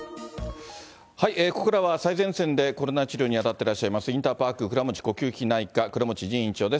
ここからは、最前線でコロナ治療に当たっていらっしゃいます、インターパーク倉持呼吸器内科、倉持仁院長です。